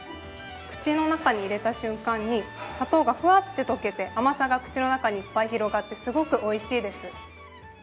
口の中に入れた瞬間に、砂糖がふわっと溶けて甘さが口の中にいっぱい広がって、すごくおいしいです。